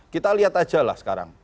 kita lihat aja lah sekarang